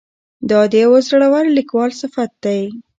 دا د یوه زړور لیکوال صفت دی.